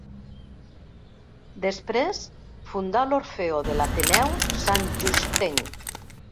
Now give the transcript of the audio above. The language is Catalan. Després fundà l’Orfeó de l’Ateneu Santjustenc.